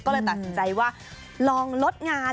ก็เลยตัดสินใจว่าลองลดงาน